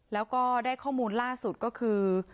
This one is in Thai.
แล้วก็ได้ข้อมูลล่าสุดก็คือ